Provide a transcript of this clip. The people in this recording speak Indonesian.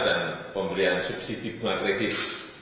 dan pembelian subsidi bunga kredit